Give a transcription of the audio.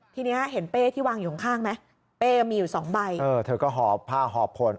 ทีนี้เห็นเป้ที่วางอยู่ข้างไหมเป้มีอยู่สองใบเออเธอก็หอบผ้าหอบผล